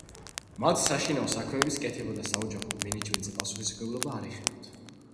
მათ საშინაო საქმეების კეთება და საოჯახო მენეჯმენტზე პასუხისმგებლობა არ ეხებათ.